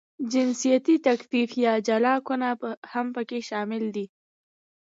جنسیتي تفکیک یا جلاکونه هم پکې شامل دي.